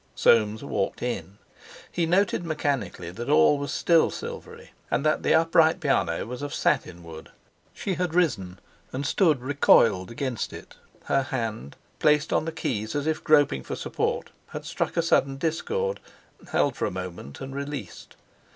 Soames walked in. He noted mechanically that all was still silvery, and that the upright piano was of satinwood. She had risen and stood recoiled against it; her hand, placed on the keys as if groping for support, had struck a sudden discord, held for a moment, and released.